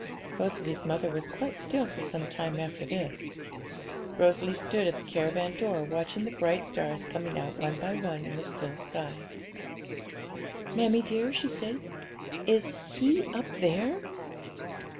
Rosalie's mother was quite still for some time after this. Rosalie stood at the caravan door, watching the bright stars coming out one by one in the still sky. 'Mammie dear,' she said, 'is He up there?'